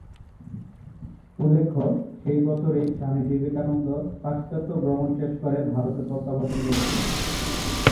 উল্লেখ্য, সেই বছরই স্বামী বিবেকানন্দ পাশ্চাত্য ভ্রমণ শেষ করে ভারতে প্রত্যাবর্তন করেছিলেন।